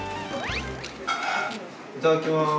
いただきます。